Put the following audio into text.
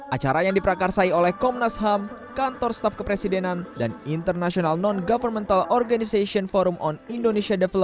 acara yang diprakarsai oleh komnas ham kantor staf kepresidenan dan international non governmental organization forum on indonesia development